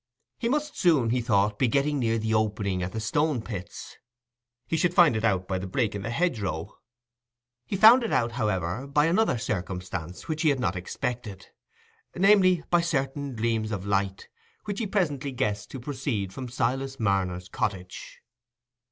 He must soon, he thought, be getting near the opening at the Stone pits: he should find it out by the break in the hedgerow. He found it out, however, by another circumstance which he had not expected—namely, by certain gleams of light, which he presently guessed to proceed from Silas Marner's cottage.